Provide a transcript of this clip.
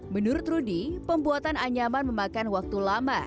menurut rudy pembuatan anyaman memakan waktu lama